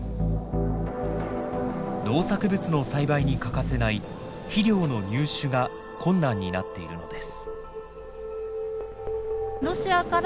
農作物の栽培に欠かせない肥料の入手が困難になっているのです。